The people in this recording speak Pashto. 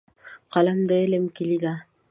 قلم د علم کیلي ده.